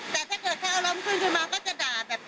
แต่ถ้าเกิดเขาอารมณ์ขึ้นขึ้นมาก็จะด่าแบบ